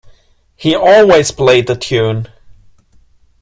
He always played the tune.